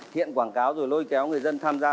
thiện quảng cáo rồi lôi kéo người dân tham gia